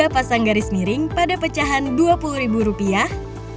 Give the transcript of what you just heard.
pasang garis miring pada pecahan dua puluh ribu rupiah